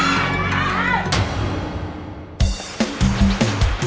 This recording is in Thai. ไม่ใช้